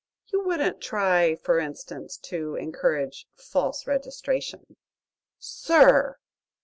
You wouldn't try, for instance, to encourage false registration." "Sir!"